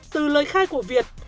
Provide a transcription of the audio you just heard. từ lời khai của việt